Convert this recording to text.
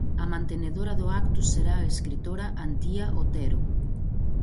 A mantenedora do acto será a escritora Antía Otero.